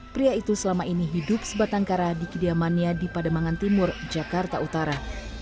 pria itu selama ini hidup sebatang kara di kediamannya di pademangan timur jakarta utara